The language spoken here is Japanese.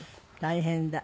大変だ。